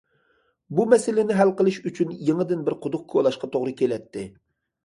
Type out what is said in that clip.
بۇ مەسىلىنى ھەل قىلىش ئۈچۈن يېڭىدىن بىر قۇدۇق كولاشقا توغرا كېلەتتى.